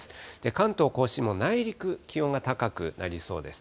関東甲信も内陸、気温が高くなりそうです。